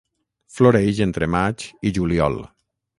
Floreix entre maig i juliol.